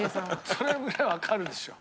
それぐらいわかるでしょ。